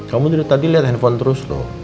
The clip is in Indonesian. kamu tadi lihat handphone terus loh